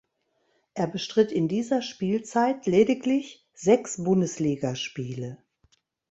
Er bestritt in dieser Spielzeit lediglich sechs Bundesligaspiele.